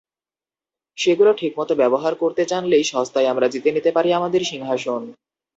সেগুলো ঠিকমতো ব্যবহার করতে জানলেই সস্তায় আমরা জিতে নিতে পারি আমাদের সিংহাসন।